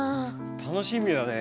楽しみだね。